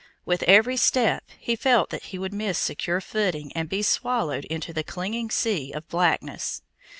With every step, he felt that he would miss secure footing and be swallowed in that clinging sea of blackness.